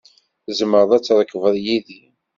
Tzemreḍ ad trekbeḍ yid-i.